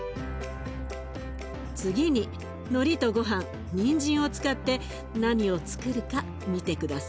次にのりとごはんにんじんを使って何をつくるか見て下さい。